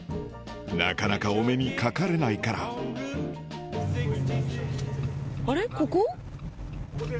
なかなかお目にかかれないからここ？